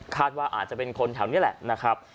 ว่าอาจจะเป็นคนแถวนี้แหละนะครับ